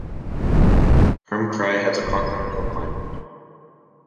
Perm krai has a continental climate.